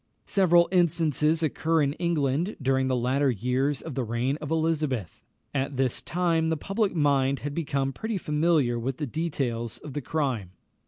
Several instances occur in England during the latter years of the reign of Elizabeth. At this time the public mind had become pretty familiar with the details of the crime.